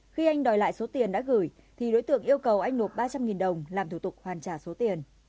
khi anh đòi lại số tiền đã gửi thì đối tượng yêu cầu anh nộp ba trăm linh đồng làm thủ tục hoàn trả số tiền